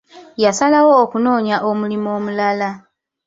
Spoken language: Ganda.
Yasalawo okunoonya omulimu omulala.